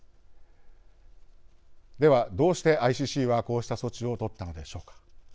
ではどうしてＩＣＣはこうした措置を取ったのでしょうか。